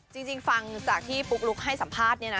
จริงฟังจากที่ปุ๊กลุ๊กให้สัมภาษณ์เนี่ยนะ